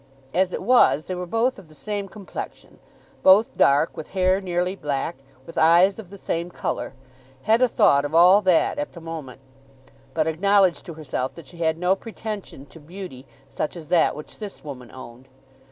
As it was they were both of the same complexion, both dark, with hair nearly black, with eyes of the same colour. Hetta thought of all that at the moment, but acknowledged to herself that she had no pretension to beauty such as that which this woman owned.